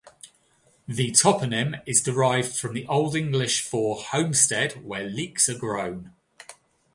The toponym is derived from the Old English for "homestead where leeks are grown".